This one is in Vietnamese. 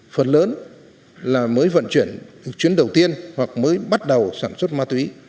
phần lớn là mới vận chuyển chuyến đầu tiên hoặc mới bắt đầu sản xuất ma túy